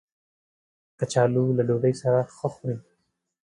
کچالو له ډوډۍ سره ښه خوري